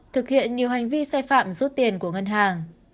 thực hiện nhiều hành vi sai phạm rút tiền của ngân hàng